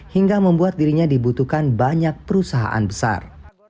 hingga membuat dirinya dibutuhkan banyak perusahaan besar